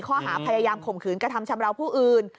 ข้อหาพยายามข่มขืนกระทำชำราวผู้อื่น